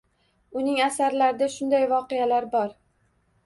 Uning asarlarida shunday voqealar bor.